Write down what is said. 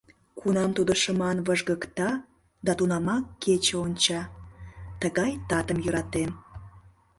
Кунам тудо шыман выжгыкта да тунамак кече онча — тыгай татым йӧратем.